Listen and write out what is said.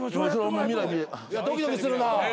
ドキドキするな。